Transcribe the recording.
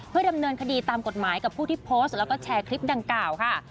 ดำเนินคดีตามกฎหมายกับผู้ที่โพสต์แล้วก็แชร์คลิปดังกล่าวค่ะ